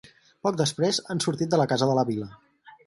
Poc després han sortit de la casa de la vila.